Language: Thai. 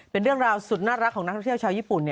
เป็นเรื่องราวสุดน่ารักของนักท่องเที่ยวชาวญี่ปุ่น